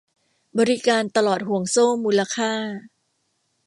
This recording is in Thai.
บริการตลอดห่วงโซ่มูลค่า